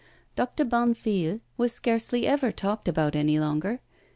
Doctor Bonnefille was scarcely ever talked about any longer.